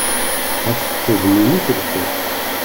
Ɣef tfednin i tleḥḥu.